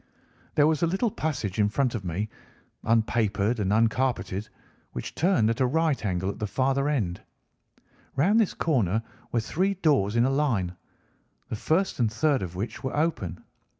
"There was a little passage in front of me, unpapered and uncarpeted, which turned at a right angle at the farther end. Round this corner were three doors in a line, the first and third of which were open.